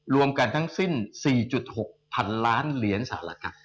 รวมกันทั้งสิ้น๔๖๐๐๐ล้านเหรียญสหรัฐค่ะ